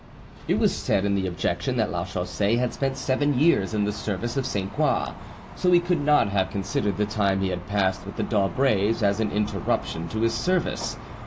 It was said in the objection that Lachaussee had spent seven years in the service of Sainte Croix, so he could not have considered the time he had passed with the d'Aubrays as an interruption to this service.